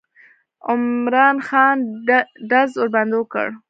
عمرا خان ډز ورباندې وکړ.